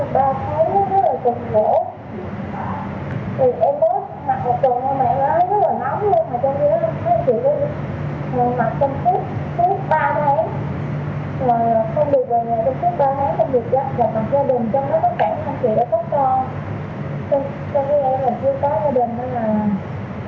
tại vì em mới học chơi rồi lúc đầu em đang ở trường chơi bệnh nạn